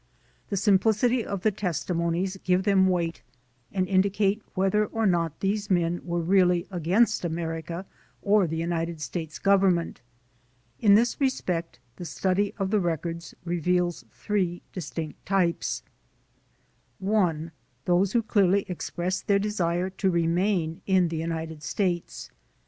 The simplicity of the testimonies give them weight and indicate whether or not these men were really against America or the United States Government. In this respect the study of the records reveals three distinct types : (1) Those who dearly expressed their desire to re main in the United States.